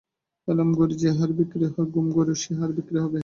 অ্যালাম-ঘড়ি যে-হারে বিক্রি হয়, ঘুম-ঘড়িও সেই হারে বিক্রি হবে।